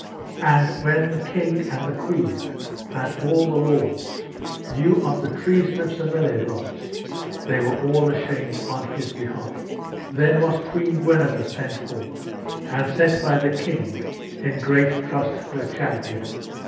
And when the king, and the queen, and all the lords, knew of the treason of Sir Meliagrance they were all ashamed on his behalf. Then was Queen Guenever sent for, and set by the king in great trust of her champion.